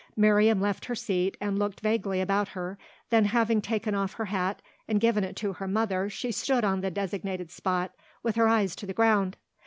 Miriam left her seat and looked vaguely about her; then having taken off her hat and given it to her mother she stood on the designated spot with her eyes to the ground.